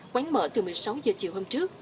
quán mở từ một mươi sáu h chiều hôm trước